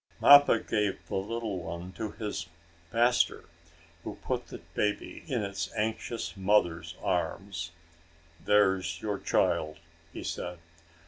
Mappo gave the little one to his master, who put the baby in its anxious mother's arms. "There's your child," he said.